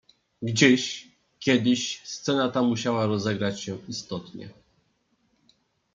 "Gdzieś, kiedyś scena ta musiała rozegrać się istotnie."